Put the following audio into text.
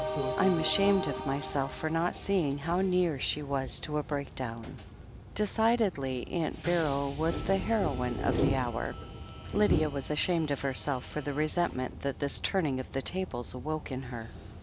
I am ashamed of myself for not seeing how near she was to a break down." Decidedly Aunt Beryl was the heroine of the hour. Lydia was ashamed of herself for the resentment that this turning of the tables awoke in her.